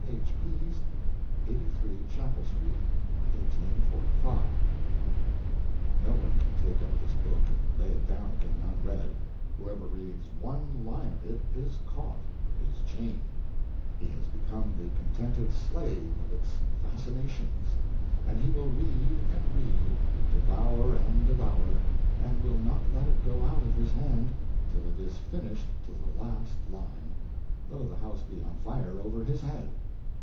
H. Pease, 83 Chapel Street, 1845." No one can take up this book and lay it down again unread. Whoever reads one line of it is caught, is chained; he has become the contented slave of its fascinations; and he will read and read, devour and devour, and will not let it go out of his hand till it is finished to the last line, though the house be on fire over his head.